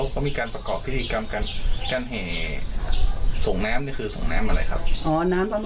เขามีการประกอบพิธีกรรมการแห่ง